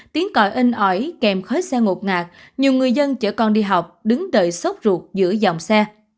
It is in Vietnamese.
tiếng còi in ỏi kèm khói xe ngột ngạt nhiều người dân chở con đi học đứng đợi sốc ruột giữa dòng xe